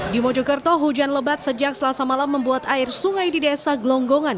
di mojokerto hujan lebat sejak selasa malam membuat air sungai di desa gelonggongan